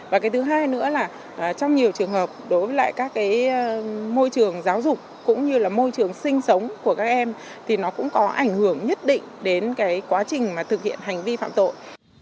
và cái thứ hai nữa là trong nhiều trường hợp đối với lại các cái môi trường giáo dục cũng như là môi trường sinh sống của các em thì nó cũng có ảnh hưởng nhất định đến cái quá trình mà thực hiện hành vi phạm tội